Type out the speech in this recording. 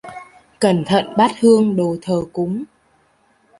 Cẩn thận bát hương đồ thờ cúng